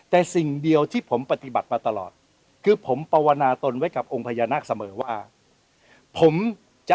แต่สิ่งเดียวที่ผมปฏิบัติมาตลอดคือผมปวนาตนไว้กับองค์พญานาคเสมอว่าผมจะ